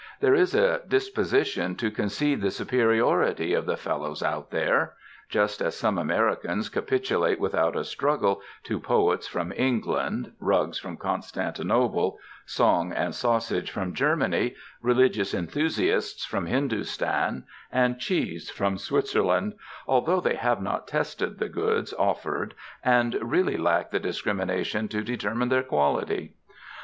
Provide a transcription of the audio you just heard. There is a disposition to concede the superiority of the fellows Out There ... just as some Americans capitulate without a struggle to poets from England, rugs from Constantinople, song and sausage from Germany, religious enthusiasts from Hindustan and cheese from Switzerland, although they have not tested the goods offered and really lack the discrimination to determine their quality.